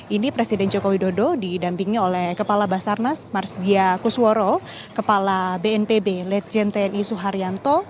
ini presiden joko widodo didampingi oleh kepala basarnas marsdia kusworo kepala bnpb legend tni suharyanto